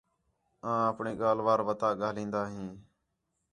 آں آپݨی ڳالھ وار وَتا ڳاہلدا ہیں